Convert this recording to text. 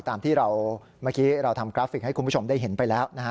ตามที่เราเมื่อกี้เราทำกราฟิกให้คุณผู้ชมได้เห็นไปแล้วนะฮะ